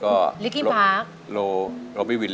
อเรนนี่คือเหตุการณ์เริ่มต้นหลอนช่วงแรกแล้วมีอะไรอีก